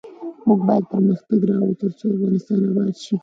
موږ باید پرمختګ راوړو ، ترڅو افغانستان اباد شي.